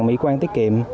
mỹ quan tiết kiệm